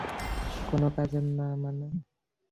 কোনো কাজের না মানে?